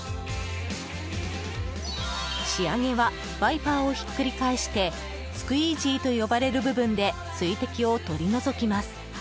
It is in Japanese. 仕上げはワイパーをひっくり返してスクイージーと呼ばれる部分で水滴を取り除きます。